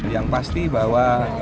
yang pasti bahwa